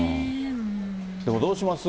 でもどうします？